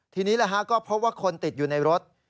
ทีนี้ก็พบว่าคนติดอยู่ในรถ